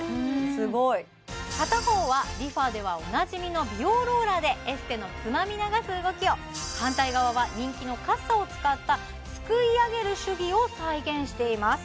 すごい片方はＲｅＦａではおなじみの美容ローラーでエステのつまみ流す動きを反対側は人気のカッサを使ったすくい上げる手技を再現しています